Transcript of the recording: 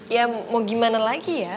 ya mau gimana lagi ya